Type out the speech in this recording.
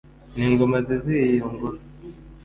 n' ingoma zizihiye iyo ngoro